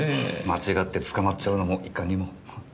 間違って捕まっちゃうのもいかにも。